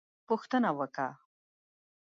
_پوښتنه وکه!